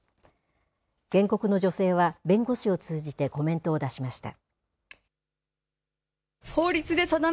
原告の女性は弁護士を通じてコメントを出しました。